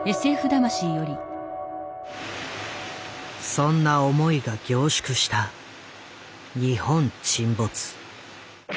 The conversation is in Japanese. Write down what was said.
そんな思いが凝縮した「日本沈没」。